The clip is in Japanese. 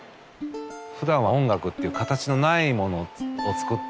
普段は音楽っていう形のないものを作って。